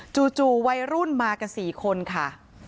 จู่วัยรุ่นมากัน๔คนค่ะ